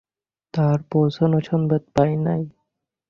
তাঁহার পৌঁছানো সংবাদ পাই নাই।